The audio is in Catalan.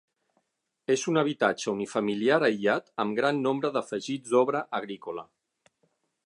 És un habitatge unifamiliar aïllat amb gran nombre d'afegits d'obra agrícola.